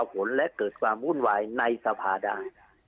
มีโปรหลาฝนและเกิดความวุ่นวายในสภาได้